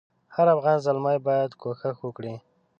هر افغان زلمی باید کوښښ وکړي.